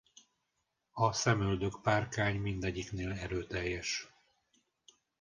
A szemöldökpárkány mindegyiknél erőteljes.